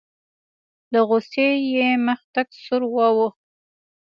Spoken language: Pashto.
له غوسې یې مخ تک سور واوښت.